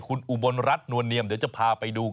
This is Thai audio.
คุณอุบลรัฐนวลเนียมเดี๋ยวจะพาไปดู